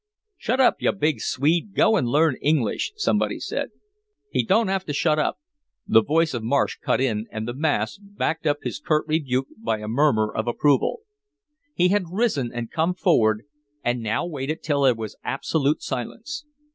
"Shut up, you big Swede, go and learn English," somebody said. "He don't have to shut up." The voice of Marsh cut in, and the mass backed up his curt rebuke by a murmur of approval. He had risen and come forward, and now waited till there was absolute silence.